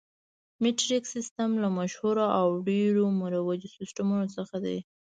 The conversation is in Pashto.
مټریک سیسټم له مشهورو او ډېرو مروجو سیسټمونو څخه دی.